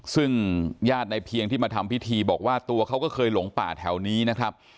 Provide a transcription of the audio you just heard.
ซึ่งญาติในเพียงที่มาทำพิธีบอกว่าตัวเขาก็เคยหลงป่าแถวนี้นะครับ